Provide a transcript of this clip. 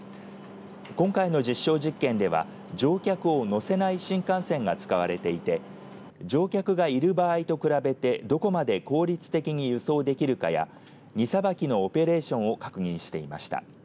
今回の実証実験では乗客を乗せない新幹線が使われていて乗客がいる場合と比べてどこまで効率的に輸送できるかや荷さばきのオペレーションを確認していました。